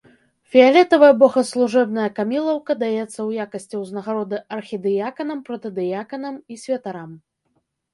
Фіялетавая богаслужэбная камілаўка даецца ў якасці ўзнагароды архідыяканам, протадыяканам і святарам.